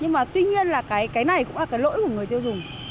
nhưng mà tuy nhiên là cái này cũng là cái lỗi của người tiêu dùng